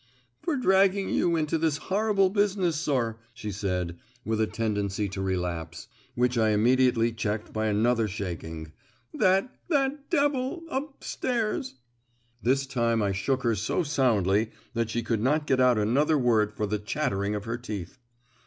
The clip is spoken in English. "For dragging you into this horrible business, sir," she said, with a tendency to relapse, which I immediately checked by another shaking. "That that devil up stairs " This time I shook her so soundly that she could not get out another word for the chattering of her teeth.